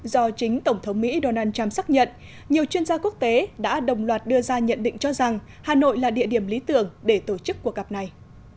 do chính tổng thống mỹ donald trump xác nhận nhiều chuyên gia quốc tế đã đồng loạt đưa ra nhận định cho rằng hà nội là địa điểm lý tưởng để tổ chức cuộc gặp này